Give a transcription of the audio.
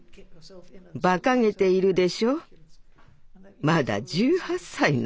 ばかげているでしょまだ１８歳なのに。